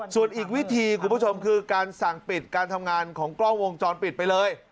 ส่วนอีกวิธีคุณผู้ชมคือการสั่งปิดการทำงานของกล้องวงจรปิดไปเลย